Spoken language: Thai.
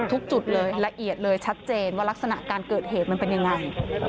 ทุกจุดเลยละเอียดเลยชัดเจนว่ารักษณะการเกิดเหตุมันเป็นยังไง